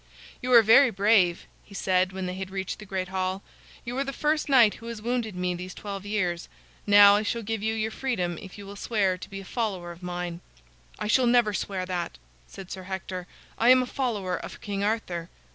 "You are very brave," he said, when they had reached the great hall. "You are the first knight who has wounded me these twelve years. Now I shall give you your freedom if you will swear to be a follower of mine." "I shall never swear that," said Sir Hector; "I am a follower of King Arthur."